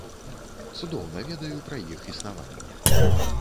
Цудоўна ведаю пра іх існаванне.